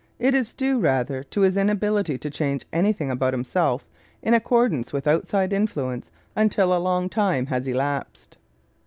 It is due rather to his inability to change anything about himself in accordance with outside influence until a long time has elapsed.